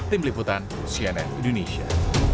tim liputan cnn indonesia